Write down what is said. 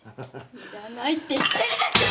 いらないって言ってるでしょ！！